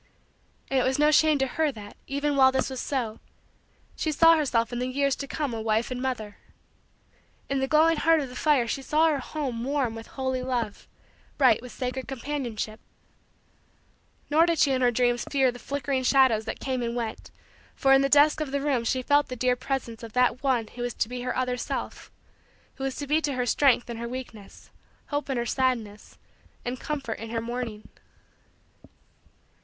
And it was no shame to her that, even while this was so, she saw herself in the years to come a wife and mother. In the glowing heart of the fire she saw her home warm with holy love, bright with sacred companionship. In the dancing flames she saw her children happy, beautiful, children. Nor did she in her dreams fear the flickering shadows that came and went for in the dusk of the room she felt the dear presence of that one who was to be her other self; who was to be to her strength in her weakness, hope in her sadness, and comfort in her mourning.